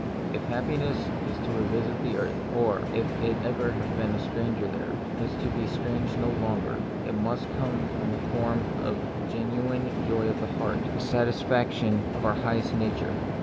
If happiness is to revisit the earth, or, if it have ever been a stranger there, is to be strange no longer, it must come in the form of a gen uine joy of heart, a satisfaction of our highest nature.